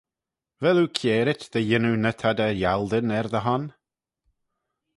Vel oo kiarit dy yannoo ny t'ad er yialdyn er dty hon?